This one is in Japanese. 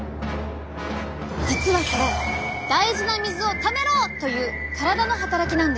実はこれ大事な水をためろ！という体の働きなんです。